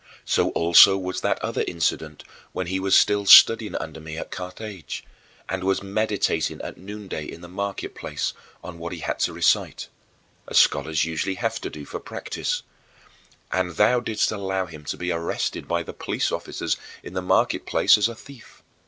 So also was that other incident when he was still studying under me at Carthage and was meditating at noonday in the market place on what he had to recite as scholars usually have to do for practice and thou didst allow him to be arrested by the police officers in the market place as a thief.